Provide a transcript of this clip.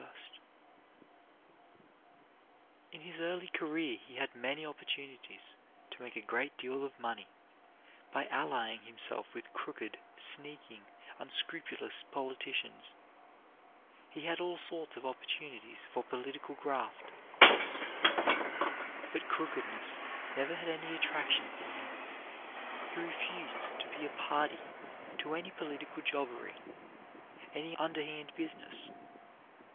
[Illustration: Theodore Roosevelt] In his early career he had many opportunities to make a great deal of money by allying himself with crooked, sneaking, unscrupulous politicians. He had all sorts of opportunities for political graft. But crookedness never had any attraction for him. He refused to be a party to any political jobbery, any underhand business.